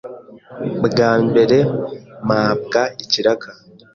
Bwa mbere mpabwa ikiraka,